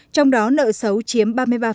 trong đó nợ xấu chiếm ba mươi ba